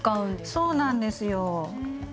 そうなんですよ。